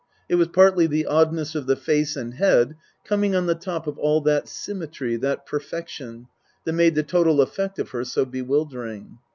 It was partly the oddness of the face and head, coming on the top of all that symmetry, that perfection, that made the total effect of her so bewildering.